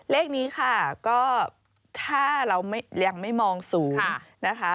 เลขนี้ค่ะก็ถ้าเรายังไม่มองสูงนะคะ